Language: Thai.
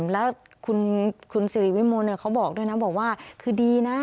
แล้วคุณสิริวิมลเขาบอกด้วยนะบอกว่าคือดีนะ